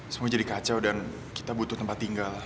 semua jadi kacau dan kita butuh tempat tinggal